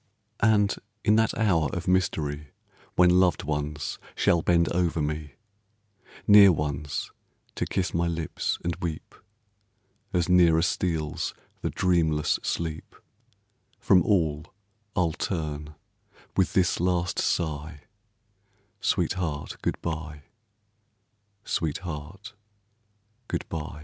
And in that hour of mystery, When loved ones shall bend over me, Near ones to kiss my lips and weep, As nearer steals the dreamless sleep, From all I'll turn with this last sigh, "Sweetheart, good by, sweetheart, good by."